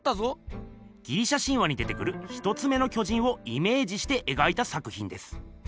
ギリシャ神話に出てくる一つ目の巨人をイメージして描いた作ひんです。